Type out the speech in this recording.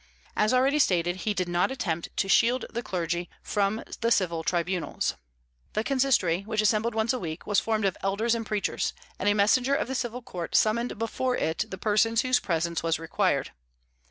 As already stated, he did not attempt to shield the clergy from the civil tribunals. The consistory, which assembled once a week, was formed of elders and preachers, and a messenger of the civil court summoned before it the persons whose presence was required.